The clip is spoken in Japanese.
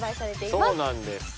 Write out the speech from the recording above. そうなんです。